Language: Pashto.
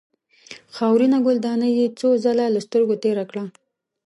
خاورینه ګلدانۍ یې څو ځله له سترګو تېره کړه.